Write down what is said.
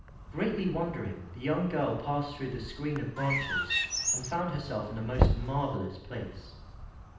Greatly wondering, the young girl passed through the screen of branches, and found herself in a most marvellous place.